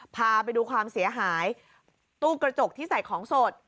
พาไปดูความเสียหายตู้กระจกที่ใส่ของสด